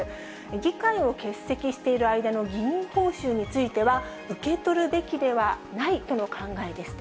議会を欠席している間の議員報酬については、受け取るべきではないとの考えですと。